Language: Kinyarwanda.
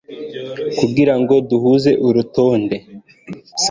kugira ngo duhuze urutonde